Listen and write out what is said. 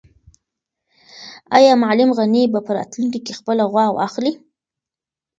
آیا معلم غني به په راتلونکي کې خپله غوا واخلي؟